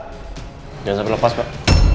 jangan sampai lepas pak